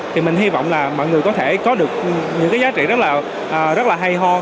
thì mình hy vọng là mọi người có thể có được những cái giá trị rất là hay ho